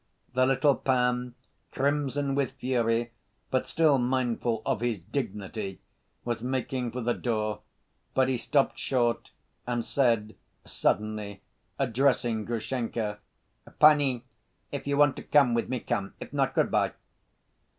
The little pan, crimson with fury but still mindful of his dignity, was making for the door, but he stopped short and said suddenly, addressing Grushenka: "Pani, if you want to come with me, come. If not, good‐by."